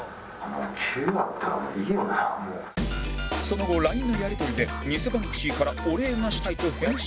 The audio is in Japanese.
その後 ＬＩＮＥ のやりとりで偽バンクシーからお礼がしたいと返信すると